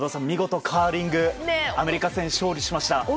見事、カーリングアメリカ戦、勝利しました。